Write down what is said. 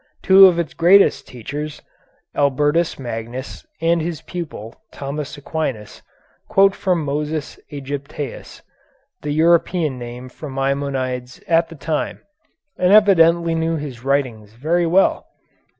Two of its greatest teachers, Albertus Magnus and his pupil, Thomas Aquinas, quote from Moses Ægyptæus, the European name for Maimonides at that time, and evidently knew his writings very well.